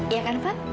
iya kan pak